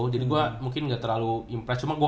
jadi gue mungkin gak terlalu impressed cuma gue